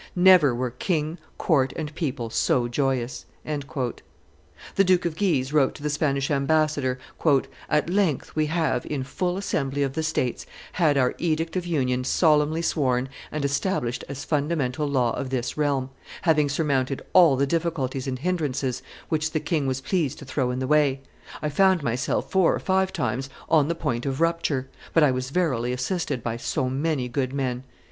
Never were king, court, and people so joyous." The Duke of Guise wrote to the Spanish ambassador, "At length we have, in full assembly of the states, had our edict of union solemnly sworn and established as fundamental law of this realm, having surmounted all the difficulties and hinderances which the king was pleased to throw in the way; I found myself four or five times on the point of rupture: but I was verily assisted by so many good men."